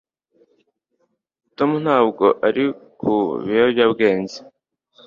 Tom ntabwo ari ku biyobyabwenge